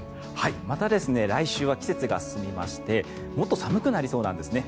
また来週は季節が進みましてもっと寒くなりそうなんですね。